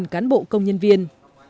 bốn cán bộ công nhân viên